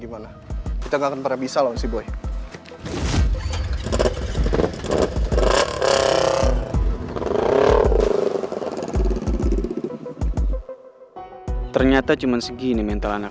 wow besar banget rumahnya